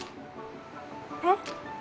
えっ？